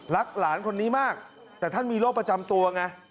หลานคนนี้มากแต่ท่านมีโรคประจำตัวไง